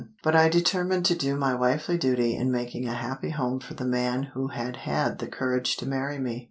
But I determined to do my wifely duty in making a happy home for the man who had had the courage to marry me.